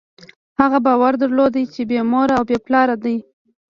هغه باور درلود، چې بېمور او بېپلاره دی.